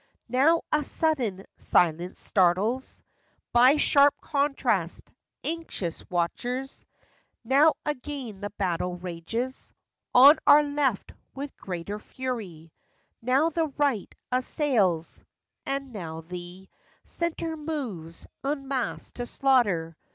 Now a sudden silence startles By sharp contrast, anxious watchers; Now again the battle rages On our "left" with greater fury; Now the "right" assails, and now the "Center" moves en masse to slaughter.